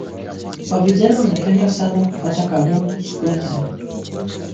Wavijana wanapenda sana kufata kabumbu siku izi